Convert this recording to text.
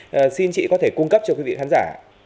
vâng ạ xin chị có thể cung cấp cho quý vị khán giả